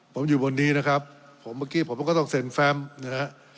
ผมอยู่บนนี้นะครับผมเมื่อกี้ผมก็ต้องเซ็นแฟมนะฮะ